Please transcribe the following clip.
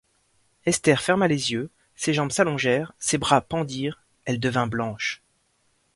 Esther ferma les yeux, ses jambes s’allongèrent, ses bras pendirent, elle devint blanche.